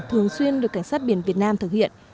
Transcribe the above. thường xuyên được cảnh sát biển việt nam thực hiện